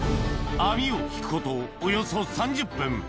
網を引くことおよそ３０分